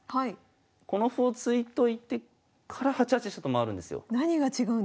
この歩を突いといてから８八飛車と回るんですよ。